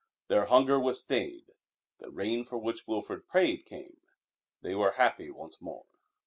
Their hunger was stayed; the rain for which Wilfrid prayed came. They were happy once more.